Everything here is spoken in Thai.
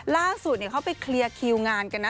ล่าสุดเขาไปเคลียร์คิวงานกันนะ